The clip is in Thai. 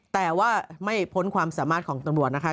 แต่ว่าไม่พ้นความสามารถของตำรวจนะคะ